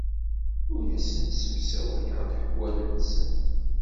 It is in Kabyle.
Ur asent-ssemsawayeɣ leḥwal-nsent.